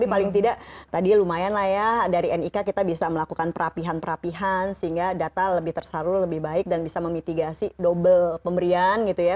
tapi paling tidak tadi lumayan lah ya dari nik kita bisa melakukan perapihan perapihan sehingga data lebih tersalur lebih baik dan bisa memitigasi dobel pemberian gitu ya